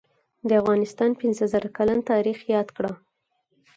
دافغانستان پنځه زره کلن تاریخ یاد کړه